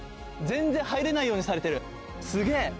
全然入れないようにされてるすげぇ。